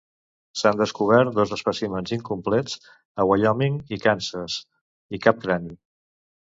S'han descobert dos espècimens incomplets a Wyoming i Kansas, i cap crani.